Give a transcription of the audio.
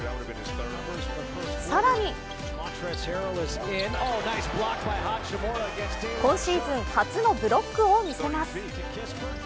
更に今シーズン初のブロックを見せます。